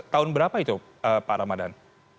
tahun berapa itu pak ramadan